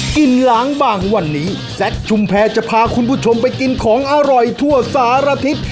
กินล้างบางวันนี้แจ็คชุมแพรจะพาคุณผู้ชมไปกินของอร่อยทั่วสารทิศ